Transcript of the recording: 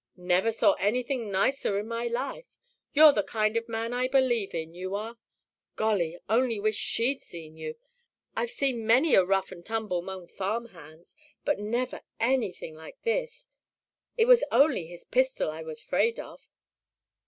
"Never saw anything nicer in my life. You're the kind of man I believe in, you are. Golly! Only wished SHE'D seen you. I've seen many a rough and tumble 'mong farm hands, but never anything like this. It was only his pistol I was 'fraid of."